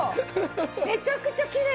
めちゃくちゃきれい！